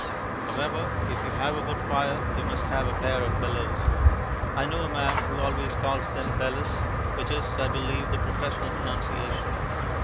However, if you have a wood fire, you must have a pair of bellows. I know a man who always calls them "bellus," which is, I believe, the professional pronunciation.